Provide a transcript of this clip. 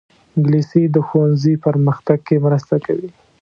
انګلیسي د ښوونځي پرمختګ کې مرسته کوي